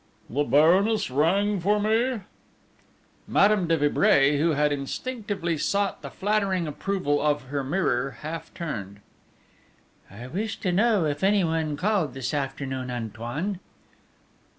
"The Baroness rang for me?" Madame de Vibray, who had instinctively sought the flattering approval of her mirror, half turned: "I wish to know if anyone called this afternoon, Antoine?"